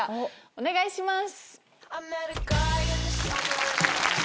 お願いします。